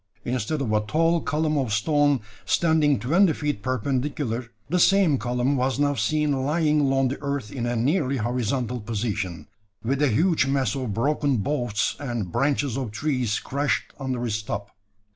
Instead of a tall column of stone, standing twenty feet perpendicular, the same column was now seen lying along the earth in a nearly horizontal position, with a huge mass of broken boughs and branches of trees crushed under its top.